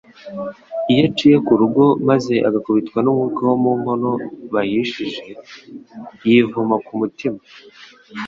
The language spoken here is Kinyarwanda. iyo aciye ku rugo maze agakubitwa n’umwuka wo mu nkono bahishije, yivuma ku mutima